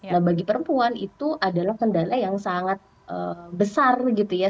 nah bagi perempuan itu adalah kendala yang sangat besar gitu ya